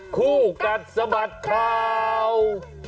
คู่กัดสะบัดข่าว